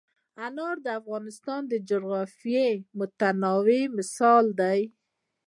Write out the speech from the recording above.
انار د افغانستان د جغرافیوي تنوع مثال دی.